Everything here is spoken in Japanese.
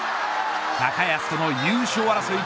高安との優勝争い